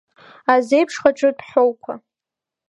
Азеиԥш-хаҿытә ҳәоуқәа…